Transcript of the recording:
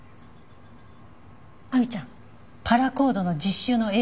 亜美ちゃんパラコードの実習の映像を見せて。